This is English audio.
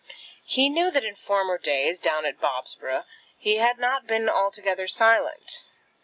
He knew that in former days, down at Bobsborough, he had not been altogether silent.